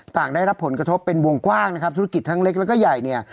ต่างได้รับผลกระทบเป็นวงกว้างนะครับธุรกิจทั้งเล็กแล้วก็ใหญ่เนี่ย